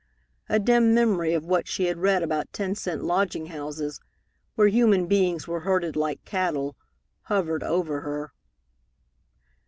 A dim memory of what she had read about ten cent lodging houses, where human beings were herded like cattle, hovered over her.